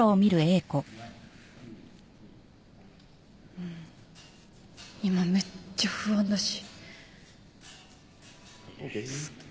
うん今めっちゃ不安だし。